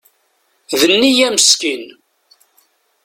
D neyya meskin.